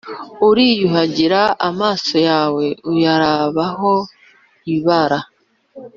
uriyuhagira amaso yawe uyarabaho ibara